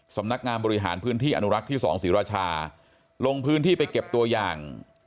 สำนักงานบริหารพื้นที่อนุรักษ์ที่๒ศรีราชาลงพื้นที่ไปเก็บตัวอย่าง